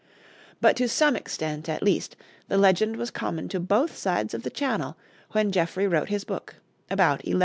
But to some extent, at least, the legend was common to both sides of the Channel when Geoffrey wrote his book, about 1145.